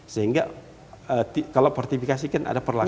sehingga kalau partifikasi kan ada perlakuan